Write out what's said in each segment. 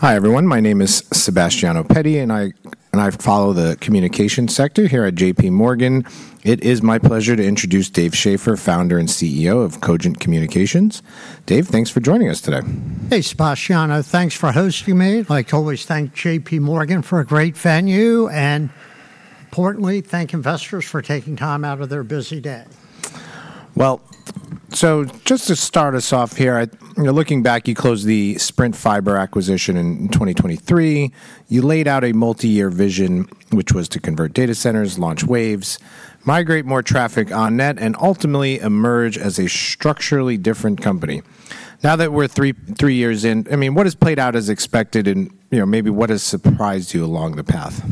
Hi, everyone. My name is Sebastiano Petti, and I follow the communication sector here at JPMorgan. It is my pleasure to introduce Dave Schaeffer, Founder and CEO of Cogent Communications. Dave, thanks for joining us today. Hey, Sebastiano. Thanks for hosting me. Like always, thank JPMorgan for a great venue, and importantly, thank investors for taking time out of their busy day. Just to start us off here, you know, looking back, you closed the Sprint fiber acquisition in 2023. You laid out a multi-year vision, which was to convert data centers, launch waves, migrate more traffic on-net, and ultimately emerge as a structurally different company. Now that we're three years in, I mean, what has played out as expected and, you know, maybe what has surprised you along the path?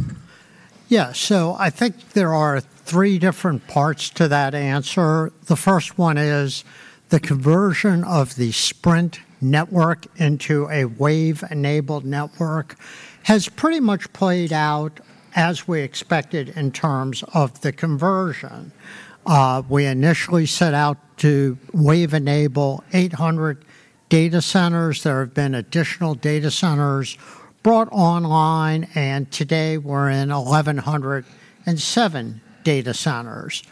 I think there are three different parts to that answer. The first one is the conversion of the Sprint network into a wave-enabled network has pretty much played out as we expected in terms of the conversion. We initially set out to wave-enable 800 data centers. There have been additional data centers brought online, and today we're in 1,107 data centers.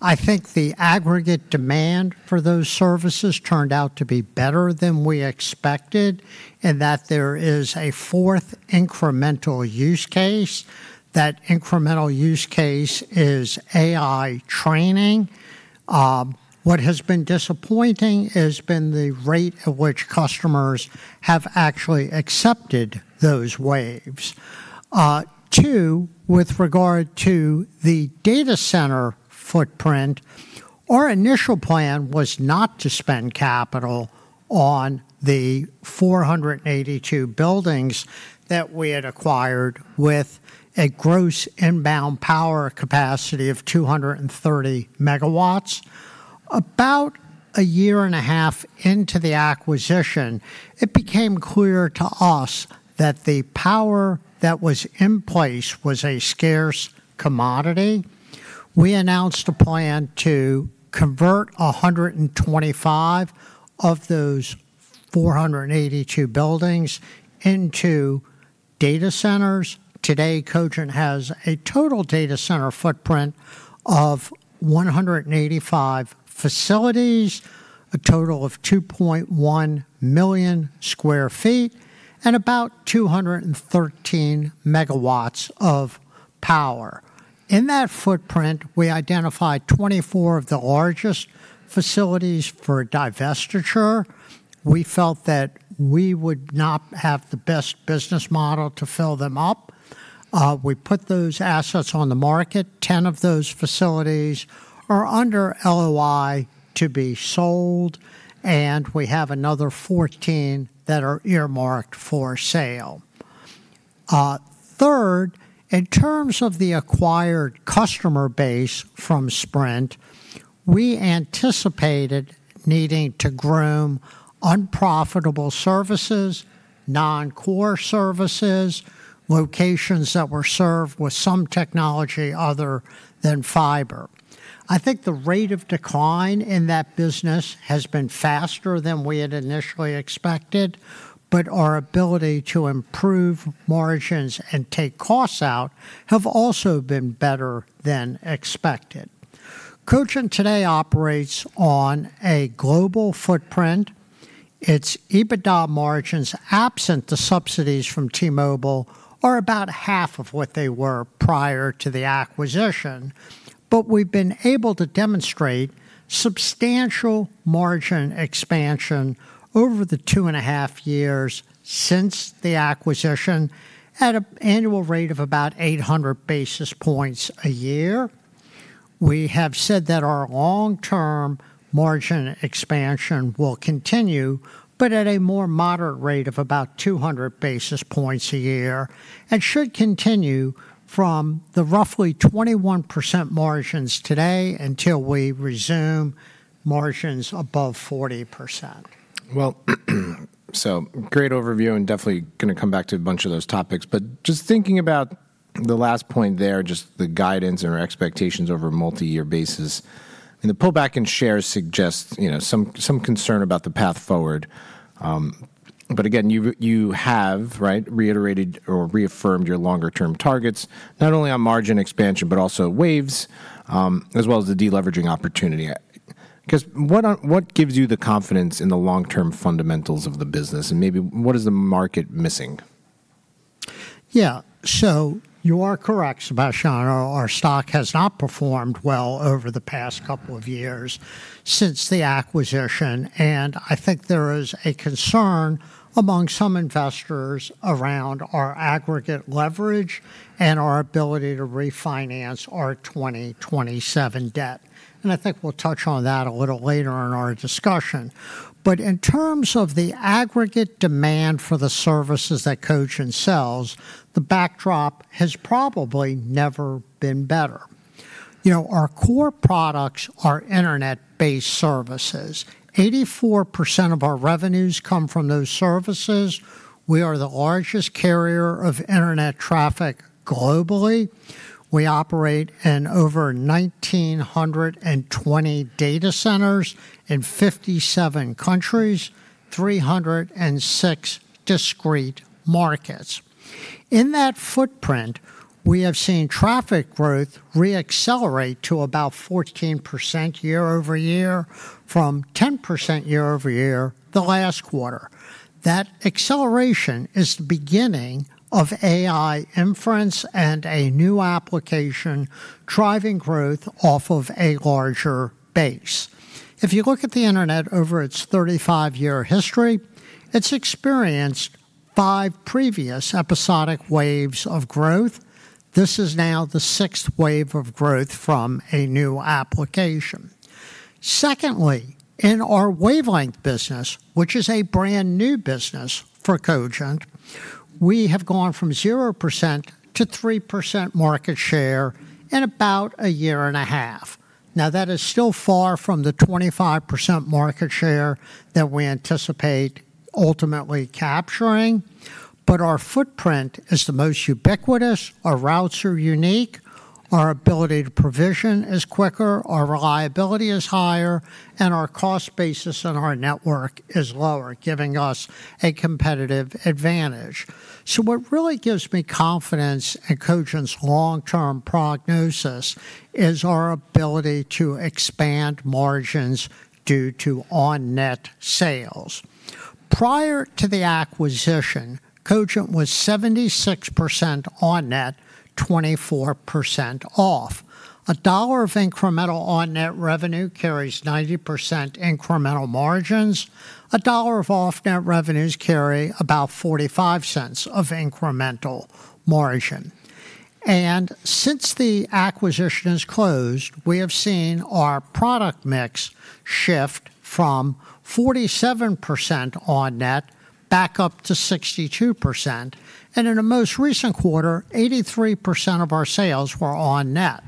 I think the aggregate demand for those services turned out to be better than we expected, in that there is a fourth incremental use case. That incremental use case is AI training. What has been disappointing has been the rate at which customers have actually accepted those waves. Two, with regard to the data center footprint, our initial plan was not to spend capital on the 482 buildings that we had acquired with a gross inbound power capacity of 230 MW. About a year and a half into the acquisition, it became clear to us that the power that was in place was a scarce commodity. We announced a plan to convert 125 of those 482 buildings into data centers. Today, Cogent has a total data center footprint of 185 facilities, a total of 2.1 million square feet, and about 213 MW of power. In that footprint, we identified 24 of the largest facilities for divestiture. We felt that we would not have the best business model to fill them up. We put those assets on the market. Ten of those facilities are under LOI to be sold, and we have another 14 that are earmarked for sale. Third, in terms of the acquired customer base from Sprint, we anticipated needing to groom unprofitable services, non-core services, locations that were served with some technology other than fiber. I think the rate of decline in that business has been faster than we had initially expected, but our ability to improve margins and take costs out have also been better than expected. Cogent today operates on a global footprint. Its EBITDA margins, absent the subsidies from T-Mobile, are about half of what they were prior to the acquisition. We've been able to demonstrate substantial margin expansion over the two and a half years since the acquisition at an annual rate of about 800 basis points a year. We have said that our long-term margin expansion will continue, but at a more moderate rate of about 200 basis points a year, and should continue from the roughly 21% margins today until we resume margins above 40%. Great overview, and definitely gonna come back to a bunch of those topics. Just thinking about the last point there, just the guidance and our expectations over a multi-year basis, and the pullback in shares suggests, you know, some concern about the path forward. Again, you have, right, reiterated or reaffirmed your longer-term targets, not only on margin expansion, but also waves, as well as the de-leveraging opportunity. What gives you the confidence in the long-term fundamentals of the business? Maybe what is the market missing? Yeah. You are correct, Sebastiano. Our stock has not performed well over the past couple of years since the acquisition. I think there is a concern among some investors around our aggregate leverage and our ability to refinance our 2027 debt. I think we'll touch on that a little later in our discussion. In terms of the aggregate demand for the services that Cogent sells, the backdrop has probably never been better. You know, our core products are Internet-based services. 84% of our revenues come from those services. We are the largest carrier of Internet traffic globally. We operate in over 1,920 data centers in 57 countries, 306 discrete markets. In that footprint, we have seen traffic growth re-accelerate to about 14% year-over-year from 10% year-over-year the last quarter. That acceleration is the beginning of AI inference and a new application driving growth off of a larger base. If you look at the Internet over its 35-year history, it's experienced five previous episodic waves of growth. This is now the sixth wave of growth from a new application. Secondly, in our wavelength business, which is a brand-new business for Cogent, we have gone from 0% to 3% market share in about a year and a half. Now, that is still far from the 25% market share that we anticipate ultimately capturing, but our footprint is the most ubiquitous, our routes are unique, our ability to provision is quicker, our reliability is higher, and our cost basis on our network is lower, giving us a competitive advantage. What really gives me confidence in Cogent's long-term prognosis is our ability to expand margins due to on-net sales. Prior to the acquisition, Cogent was 76% on-net, 24% off. $1 of incremental on-net revenue carries 90% incremental margins. $1 of off-net revenues carry about $0.45 of incremental margin. Since the acquisition has closed, we have seen our product mix shift from 47% on-net back up to 62%. In the most recent quarter, 83% of our sales were on-net.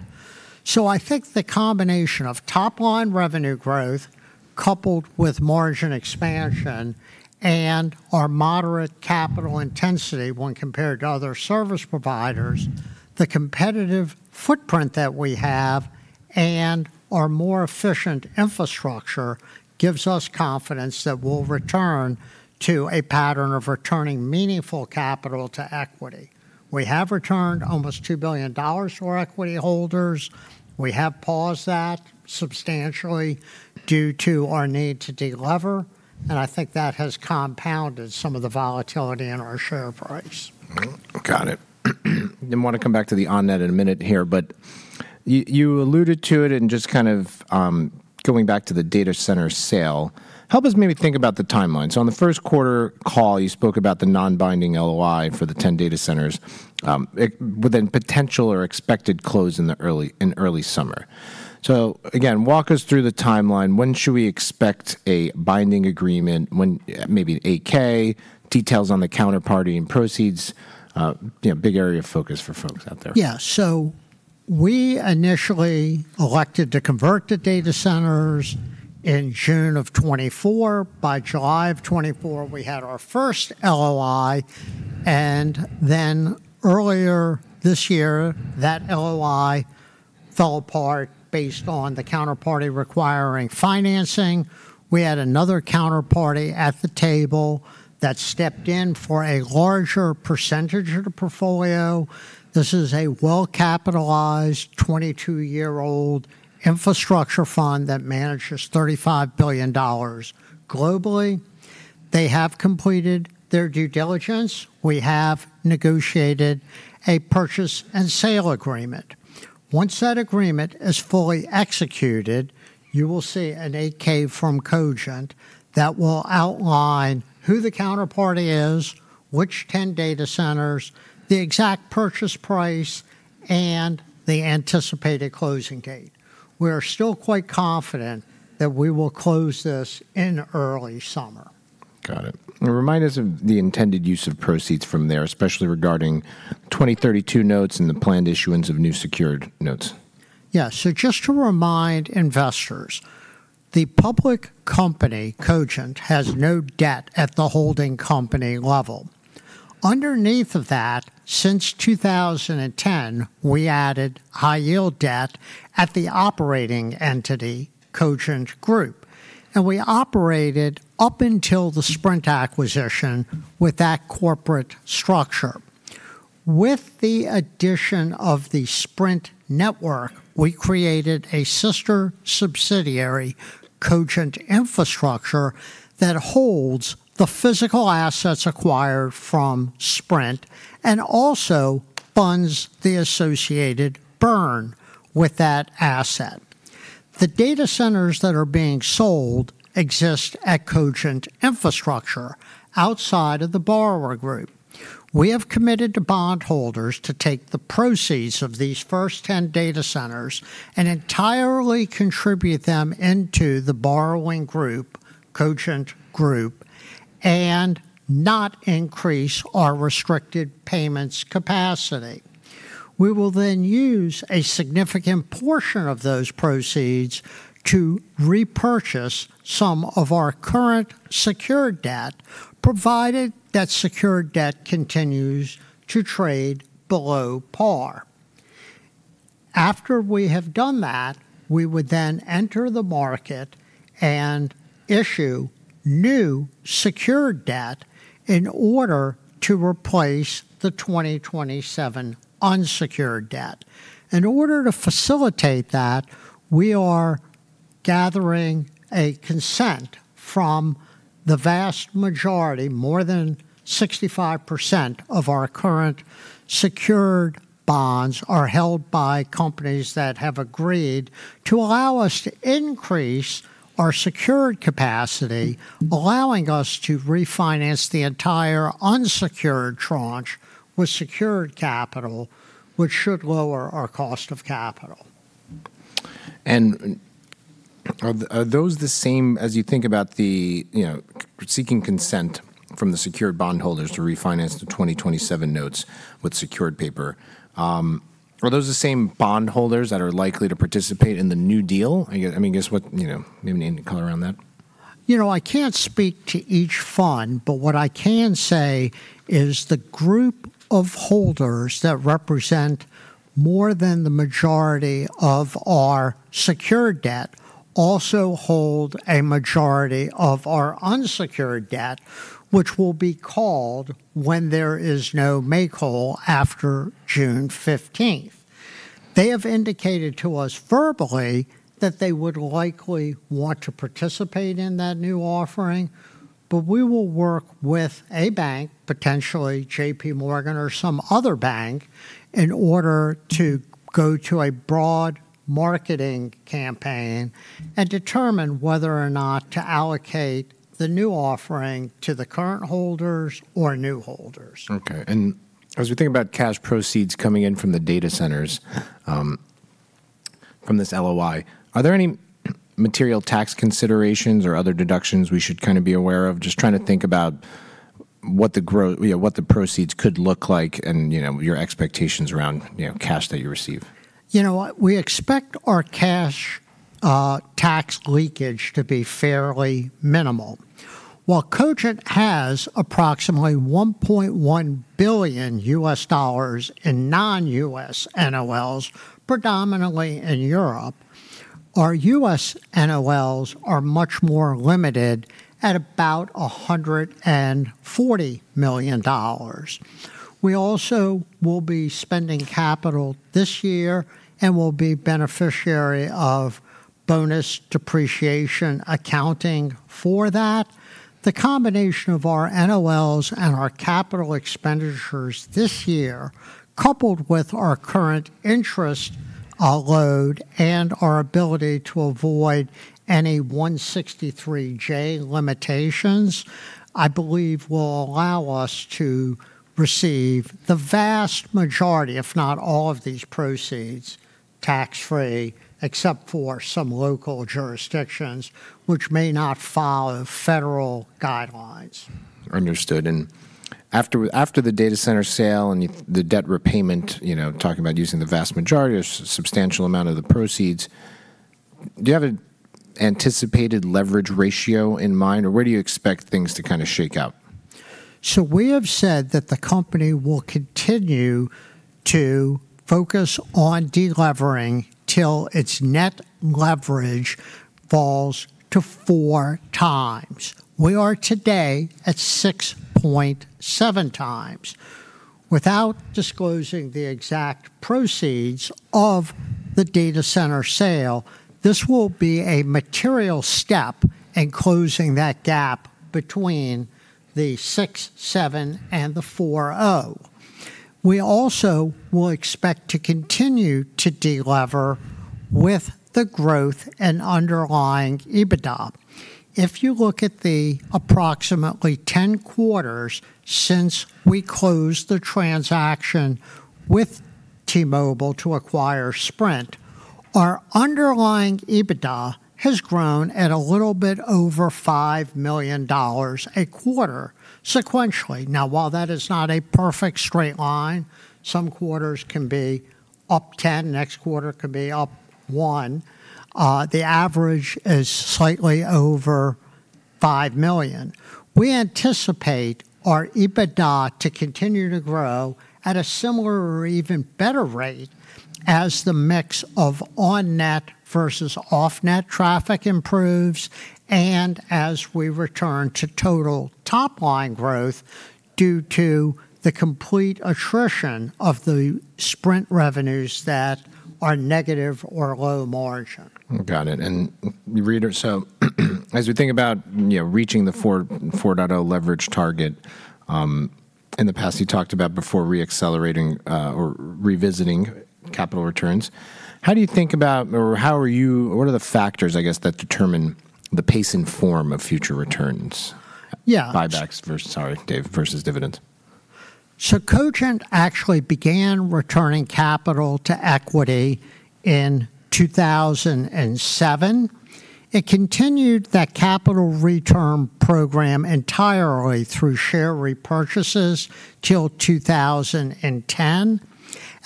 I think the combination of top-line revenue growth coupled with margin expansion and our moderate capital intensity when compared to other service providers, the competitive footprint that we have, and our more efficient infrastructure gives us confidence that we'll return to a pattern of returning meaningful capital to equity. We have returned almost $2 billion to our equity holders. We have paused that substantially due to our need to de-lever, and I think that has compounded some of the volatility in our share price. Got it. I wanna come back to the on-net in a minute here, but you alluded to it and just kind of going back to the data center sale, help us maybe think about the timeline. On the first quarter call, you spoke about the non-binding LOI for the 10 data centers with a potential or expected close in early summer. Again, walk us through the timeline. Maybe an 8-K, details on the counterparty and proceeds? You know, big area of focus for folks out there. We initially elected to convert the data centers in June of 2024. By July of 2024, we had our first LOI, and then earlier this year, that LOI fell apart based on the counterparty requiring financing. We had another counterparty at the table that stepped in for a larger percentage of the portfolio. This is a well-capitalized, 22-year-old infrastructure fund that manages $35 billion globally. They have completed their due diligence. We have negotiated a purchase and sale agreement. Once that agreement is fully executed, you will see an 8-K from Cogent that will outline who the counterparty is, which 10 data centers, the exact purchase price, and the anticipated closing date. We're still quite confident that we will close this in early summer. Got it. Remind us of the intended use of proceeds from there, especially regarding 2032 notes and the planned issuance of new secured notes. Yeah. Just to remind investors, the public company, Cogent, has no debt at the holding company level. Underneath of that, since 2010, we added high-yield debt at the operating entity, Cogent Group, and we operated up until the Sprint acquisition with that corporate structure. With the addition of the Sprint network, we created a sister subsidiary, Cogent Infrastructure, that holds the physical assets acquired from Sprint and also funds the associated burn with that asset. The data centers that are being sold exist at Cogent Infrastructure outside of the borrower group. We have committed to bondholders to take the proceeds of these first 10 data centers and entirely contribute them into the borrowing group, Cogent Group, and not increase our restricted payments capacity. We will use a significant portion of those proceeds to repurchase some of our current secured debt, provided that secured debt continues to trade below par. After we have done that, we would enter the market and issue new secured debt in order to replace the 2027 unsecured debt. In order to facilitate that, we are gathering a consent from the vast majority. More than 65% of our current secured bonds are held by companies that have agreed to allow us to increase our secured capacity, allowing us to refinance the entire unsecured tranche with secured capital, which should lower our cost of capital. Are those the same as you think about the, you know, seeking consent from the secured bond holders to refinance the 2027 notes with secured paper? Are those the same bond holders that are likely to participate in the new deal? I mean, I guess, what, you know, maybe any color around that? You know, I can't speak to each fund, but what I can say is the group of holders that represent more than the majority of our secured debt also hold a majority of our unsecured debt, which will be called when there is no make-whole after June 15th. They have indicated to us verbally that they would likely want to participate in that new offering. We will work with a bank, potentially JPMorgan or some other bank, in order to go to a broad marketing campaign and determine whether or not to allocate the new offering to the current holders or new holders. Okay. As we think about cash proceeds coming in from the data centers, from this LOI, are there any material tax considerations or other deductions we should kinda be aware of? Just trying to think about what the proceeds could look like and, you know, your expectations around, you know, cash that you receive. You know what? We expect our cash tax leakage to be fairly minimal. While Cogent has approximately $1.1 billion in non-U.S. NOLs, predominantly in Europe, our U.S. NOLs are much more limited, at about $140 million. We also will be spending capital this year and will be beneficiary of bonus depreciation accounting for that. The combination of our NOLs and our capital expenditures this year, coupled with our current interest load and our ability to avoid any 163(j) limitations, I believe will allow us to receive the vast majority, if not all of these proceeds, tax-free, except for some local jurisdictions which may not follow federal guidelines. Understood. After the data center sale and the debt repayment, you know, talking about using the vast majority or substantial amount of the proceeds, do you have an anticipated leverage ratio in mind, or where do you expect things to kinda shake out? We have said that the company will continue to focus on de-levering till its net leverage falls to 4x. We are today at 6.7x. Without disclosing the exact proceeds of the data center sale, this will be a material step in closing that gap between the 6.7 and the 4.0. We also will expect to continue to de-lever with the growth and underlying EBITDA. If you look at the approximately 10 quarters since we closed the transaction with T-Mobile to acquire Sprint, our underlying EBITDA has grown at a little bit over $5 million a quarter sequentially. While that is not a perfect straight line, some quarters can be up 10, next quarter could be up 1, the average is slightly over $5 million. We anticipate our EBITDA to continue to grow at a similar or even better rate as the mix of on-net versus off-net traffic improves and as we return to total top line growth due to the complete attrition of the Sprint revenues that are negative or low margin. Got it. You read it, so as we think about, you know, reaching the 4.0 leverage target, in the past, you talked about before re-accelerating or revisiting capital returns. How do you think about or what are the factors, I guess, that determine the pace and form of future returns? Yeah. Buybacks versus, sorry Dave, versus dividends? Cogent actually began returning capital to equity in 2007. It continued that capital return program entirely through share repurchases till 2010.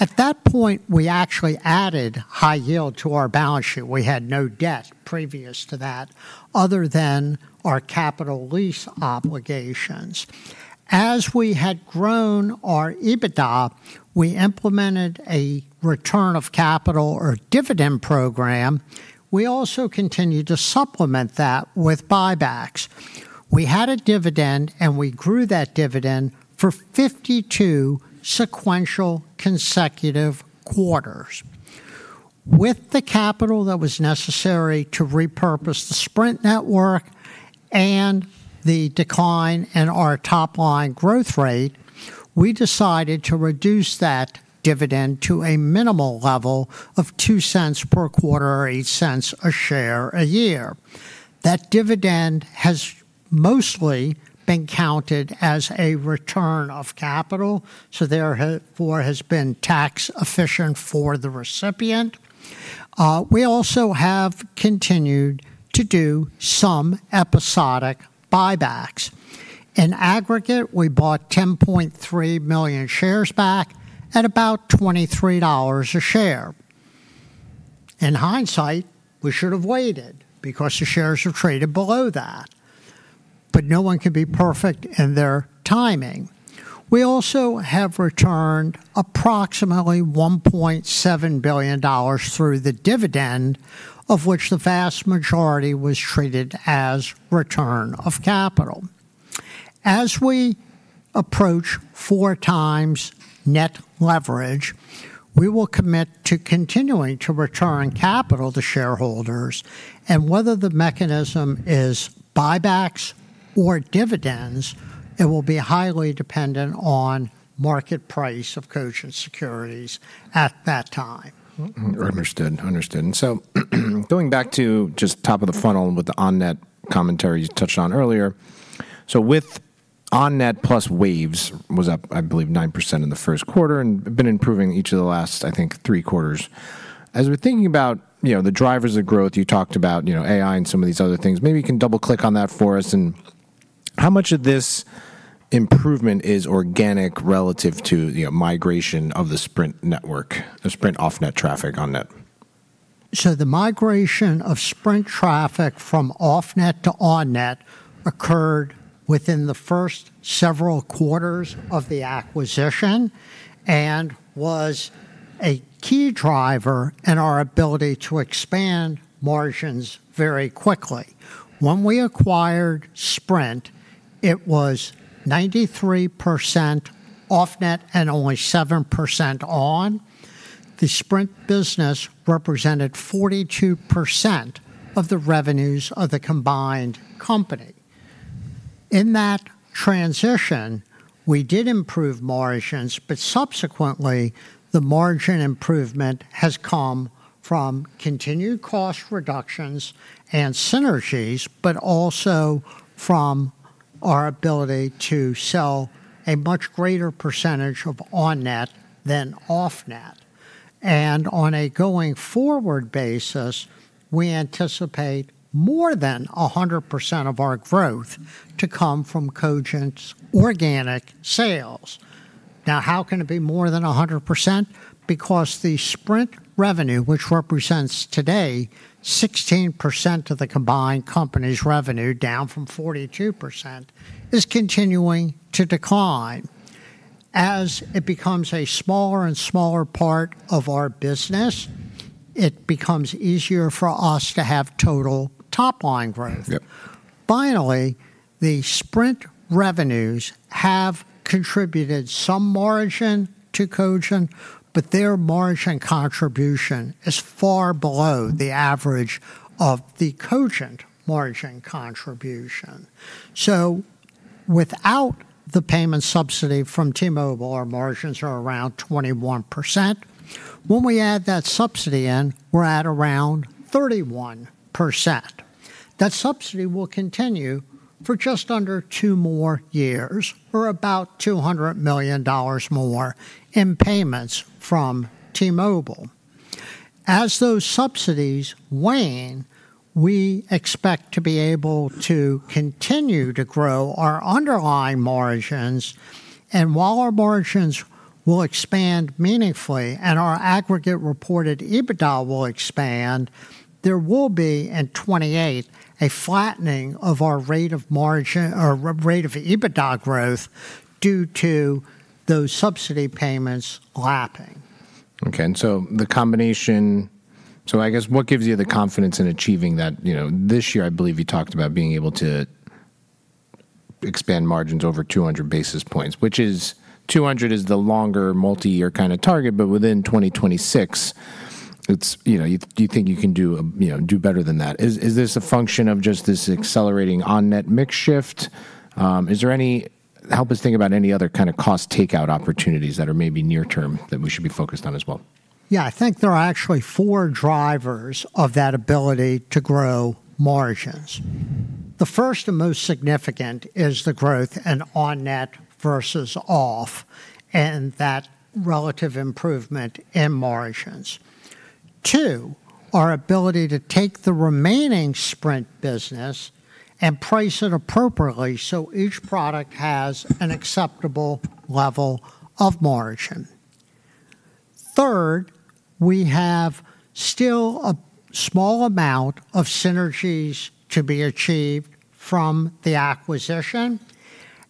At that point, we actually added high yield to our balance sheet. We had no debt previous to that other than our capital lease obligations. As we had grown our EBITDA, we implemented a return of capital or dividend program. We also continued to supplement that with buybacks. We had a dividend, and we grew that dividend for 52 sequential consecutive quarters. With the capital that was necessary to repurpose the Sprint network and the decline in our top line growth rate, we decided to reduce that dividend to a minimal level of $0.02 per quarter or $0.08 a share a year. That dividend has mostly been counted as a return of capital, so therefore has been tax efficient for the recipient. We also have continued to do some episodic buybacks. In aggregate, we bought 10.3 million shares back at about $23 a share. In hindsight, we should have waited because the shares have traded below that. No one can be perfect in their timing. We also have returned approximately $1.7 billion through the dividend, of which the vast majority was treated as return of capital. As we approach 4x net leverage, we will commit to continuing to return capital to shareholders. Whether the mechanism is buybacks or dividends, it will be highly dependent on market price of Cogent securities at that time. Understood. Understood. Going back to just top of the funnel with the on-net commentary you touched on earlier. With on-net plus waves was up, I believe, 9% in the first quarter and been improving each of the last, I think, three quarters. As we're thinking about, you know, the drivers of growth, you talked about, you know, AI and some of these other things. Maybe you can double-click on that for us and how much of this improvement is organic relative to, you know, migration of the Sprint network, the Sprint off-net traffic on-net? The migration of Sprint traffic from off-net to on-net occurred within the first several quarters of the acquisition and was a key driver in our ability to expand margins very quickly. When we acquired Sprint, it was 93% off-net and only 7% on-net. The Sprint business represented 42% of the revenues of the combined company. In that transition, we did improve margins, but subsequently the margin improvement has come from continued cost reductions and synergies, but also from our ability to sell a much greater percentage of on-net than off-net. On a going forward basis, we anticipate more than 100% of our growth to come from Cogent's organic sales. Now, how can it be more than 100%? Because the Sprint revenue, which represents today 16% of the combined company's revenue, down from 42%, is continuing to decline. As it becomes a smaller and smaller part of our business, it becomes easier for us to have total top-line growth. Yep. Finally, the Sprint revenues have contributed some margin to Cogent, but their margin contribution is far below the average of the Cogent margin contribution. Without the payment subsidy from T-Mobile, our margins are around 21%. When we add that subsidy in, we're at around 31%. That subsidy will continue for just under two more years or about $200 million more in payments from T-Mobile. As those subsidies wane, we expect to be able to continue to grow our underlying margins. While our margins will expand meaningfully and our aggregate reported EBITDA will expand, there will be in 2028 a flattening of our rate of margin or rate of EBITDA growth due to those subsidy payments lapping. Okay. The combination, so I guess what gives you the confidence in achieving that? You know, this year I believe you talked about being able to expand margins over 200 basis points, which is 200 is the longer multi-year kind of target. Within 2026 it's, you know, do you think you can do, you know, do better than that? Is this a function of just this accelerating on-net mix shift? Is there—help us think about any other kind of cost takeout opportunities that are maybe near term that we should be focused on as well? Yeah. I think there are actually four drivers of that ability to grow margins. The first and most significant is the growth in on-net versus off, and that relative improvement in margins. Two, our ability to take the remaining Sprint business and price it appropriately so each product has an acceptable level of margin. Third, we have still a small amount of synergies to be achieved from the acquisition,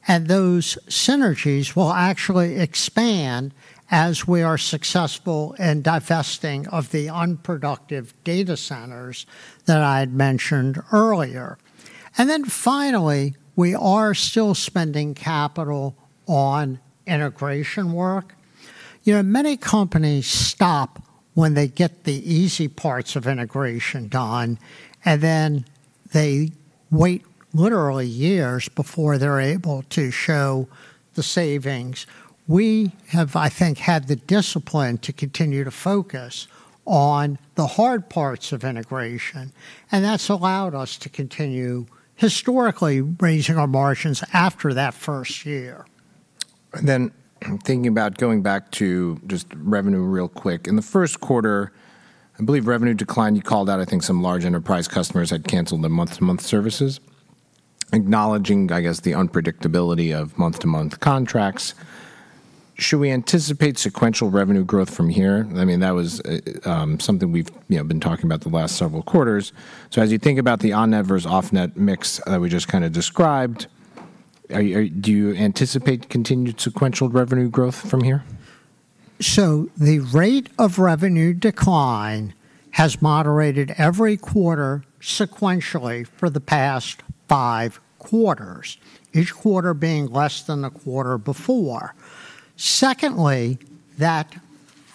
and those synergies will actually expand as we are successful in divesting of the unproductive data centers that I had mentioned earlier. Finally, we are still spending capital on integration work. You know, many companies stop when they get the easy parts of integration done, and then they wait literally years before they're able to show the savings. We have, I think, had the discipline to continue to focus on the hard parts of integration, that's allowed us to continue historically raising our margins after that first year. Thinking about going back to just revenue real quick. In the first quarter, I believe revenue declined. You called out, I think, some large enterprise customers had canceled the month-to-month services, acknowledging, I guess, the unpredictability of month-to-month contracts. Should we anticipate sequential revenue growth from here? I mean, that was something we've, you know, been talking about the last several quarters. As you think about the on-net versus off-net mix that we just kind of described, do you anticipate continued sequential revenue growth from here? The rate of revenue decline has moderated every quarter sequentially for the past five quarters, each quarter being less than the quarter before. Secondly, that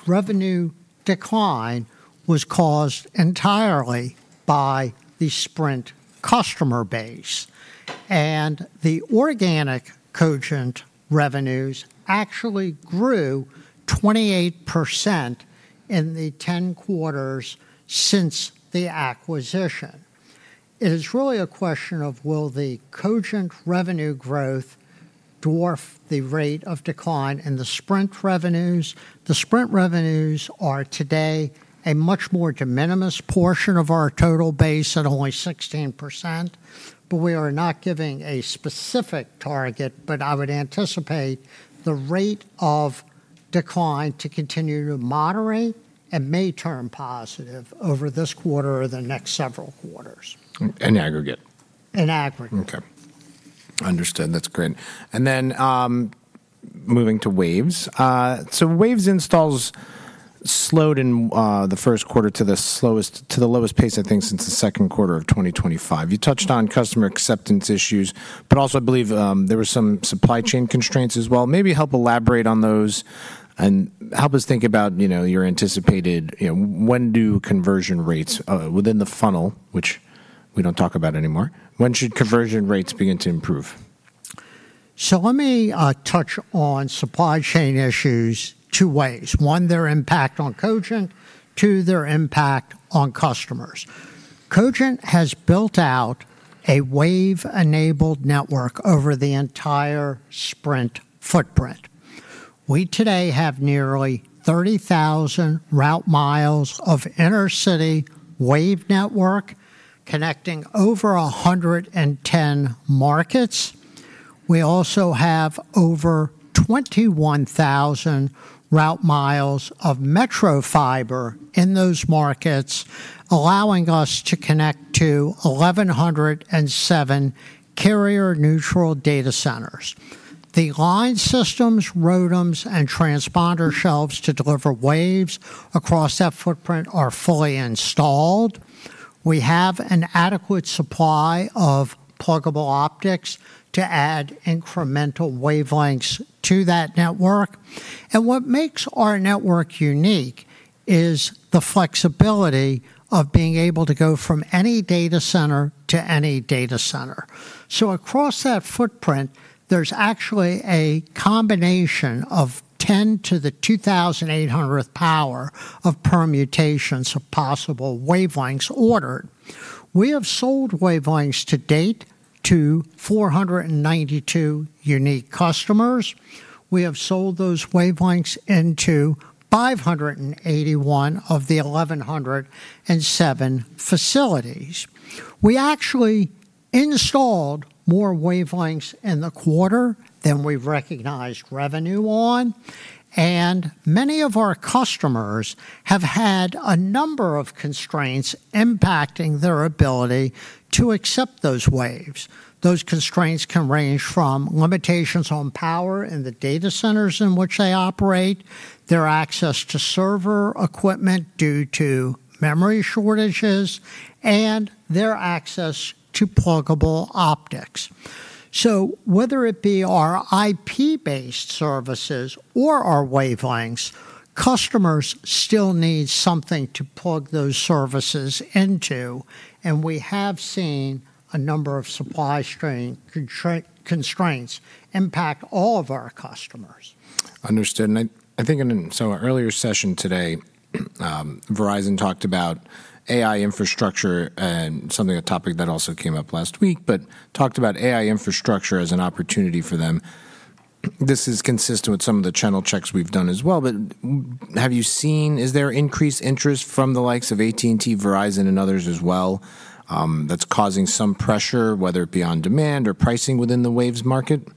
revenue decline was caused entirely by the Sprint customer base, and the organic Cogent revenues actually grew 28% in the 10 quarters since the acquisition. It is really a question of will the Cogent revenue growth dwarf the rate of decline in the Sprint revenues. The Sprint revenues are today a much more de minimis portion of our total base at only 16%. We are not giving a specific target, but I would anticipate the rate of decline to continue to moderate and may turn positive over this quarter or the next several quarters. In aggregate? In aggregate. Okay. Understood. That's great. Then, moving to waves. Waves installs slowed in the first quarter to the lowest pace, I think, since the second quarter of 2025. You touched on customer acceptance issues, but also I believe, there were some supply chain constraints as well. Maybe help elaborate on those and help us think about, you know, your anticipated, you know, when do conversion rates within the funnel, which we don't talk about anymore, when should conversion rates begin to improve? Let me touch on supply chain issues two ways. One, their impact on Cogent. Two, their impact on customers. Cogent has built out a wave-enabled network over the entire Sprint footprint. We today have nearly 30,000 route miles of intercity wave network connecting over 110 markets. We also have over 21,000 route miles of metro fiber in those markets, allowing us to connect to 1,107 carrier-neutral data centers. The line systems, ROADMs, and transponder shelves to deliver waves across that footprint are fully installed. We have an adequate supply of pluggable optics to add incremental wavelengths to that network. What makes our network unique is the flexibility of being able to go from any data center to any data center. Across that footprint, there's actually a combination of 10 to the 2,800th power of permutations of possible wavelengths ordered. We have sold wavelengths to date to 492 unique customers. We have sold those wavelengths into 581 of the 1,107 facilities. We actually installed more wavelengths in the quarter than we've recognized revenue on, and many of our customers have had a number of constraints impacting their ability to accept those waves. Those constraints can range from limitations on power in the data centers in which they operate, their access to server equipment due to memory shortages, and their access to pluggable optics. Whether it be our IP-based services or our wavelengths, customers still need something to plug those services into, and we have seen a number of supply chain constraints impact all of our customers. Understood. Earlier session today, Verizon talked about AI infrastructure and something, a topic that also came up last week, but talked about AI infrastructure as an opportunity for them. This is consistent with some of the channel checks we've done as well. Have you seen, is there increased interest from the likes of AT&T, Verizon and others as well, that's causing some pressure, whether it be on demand or pricing within the waves market?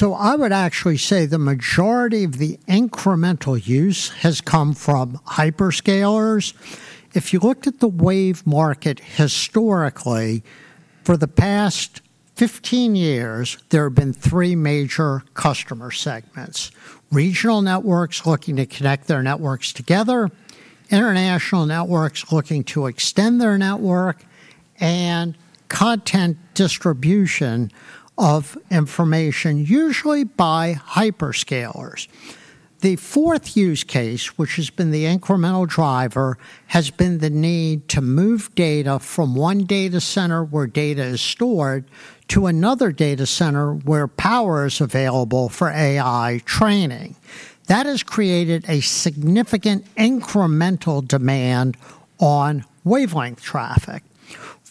I would actually say the majority of the incremental use has come from hyperscalers. If you looked at the wave market historically, for the past 15 years, there have been three major customer segments: regional networks looking to connect their networks together, international networks looking to extend their network, and content distribution of information, usually by hyperscalers. The fourth use case, which has been the incremental driver, has been the need to move data from one data center where data is stored to another data center where power is available for AI training. That has created a significant incremental demand on wavelength traffic.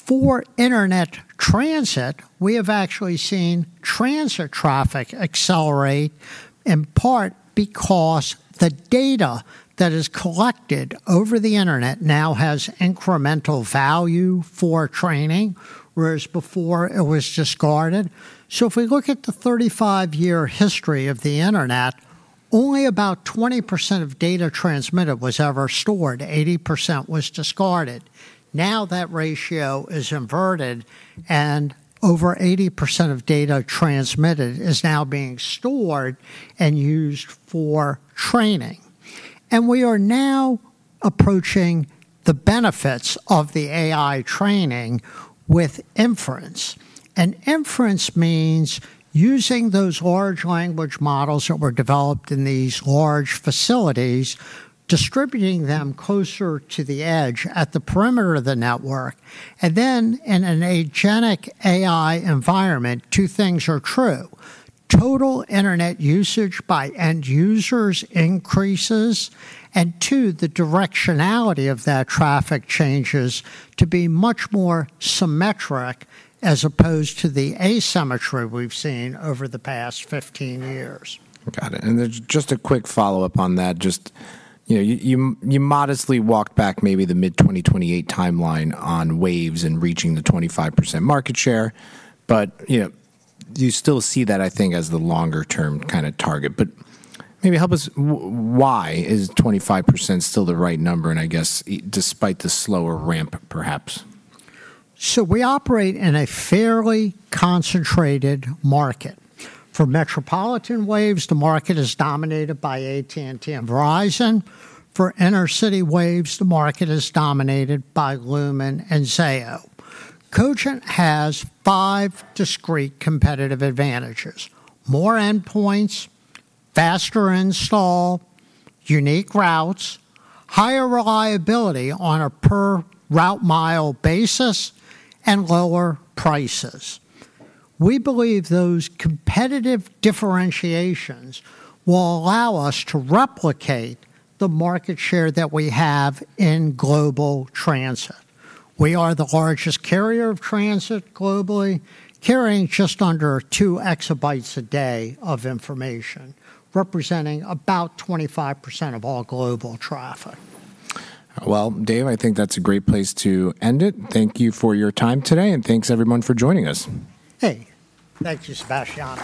For Internet transit, we have actually seen transit traffic accelerate, in part because the data that is collected over the Internet now has incremental value for training, whereas before it was discarded. If we look at the 35-year history of the Internet, only about 20% of data transmitted was ever stored. 80% was discarded. Now that ratio is inverted, and over 80% of data transmitted is now being stored and used for training. We are now approaching the benefits of the AI training with inference. Inference means using those large language models that were developed in these large facilities, distributing them closer to the edge at the perimeter of the network. Then in an agentic AI environment, two things are true. Total Internet usage by end users increases, and two, the directionality of that traffic changes to be much more symmetric as opposed to the asymmetry we've seen over the past 15 years. Got it. Just a quick follow-up on that. Just, you know, you modestly walked back maybe the mid 2028 timeline on waves and reaching the 25% market share. You know, you still see that, I think, as the longer term kind of target. Maybe help us, why is 25% still the right number and I guess, despite the slower ramp, perhaps? We operate in a fairly concentrated market. For metropolitan waves, the market is dominated by AT&T and Verizon. For intercity waves, the market is dominated by Lumen and Zayo. Cogent has five discrete competitive advantages: more endpoints, faster install, unique routes, higher reliability on a per route mile basis, and lower prices. We believe those competitive differentiations will allow us to replicate the market share that we have in global transit. We are the largest carrier of transit globally, carrying just under 2 exabytes a day of information, representing about 25% of all global traffic. Well, Dave, I think that's a great place to end it. Thank you for your time today, and thanks everyone for joining us. Hey, thank you, Sebastiano.